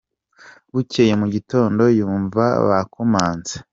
Bukeye mu gitondo yumva bakomanze ku.